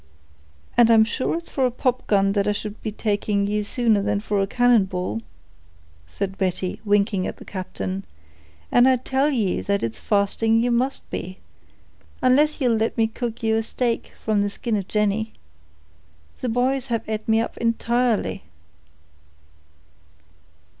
"And I'm sure it's for a popgun that I should be taking you sooner than for a cannon ball," said Betty, winking at the captain; "and I tell ye that it's fasting you must be, unless ye'll let me cook ye a steak from the skin of Jenny. The boys have ate me up intirely."